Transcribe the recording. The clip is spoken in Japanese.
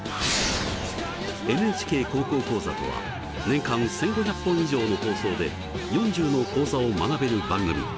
「ＮＨＫ高校講座」とは年間１，５００本以上の放送で４０の講座を学べる番組。